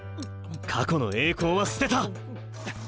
過去の栄光は捨てた。